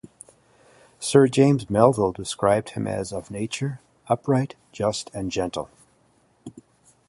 Sir James Melville described him as "of nature, upright, just, and gentle".